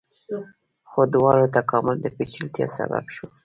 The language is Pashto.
خو د دواړو تکامل د پیچلتیا سبب شو.